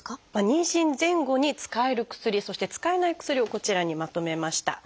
妊娠前後に使える薬そして使えない薬をこちらにまとめました。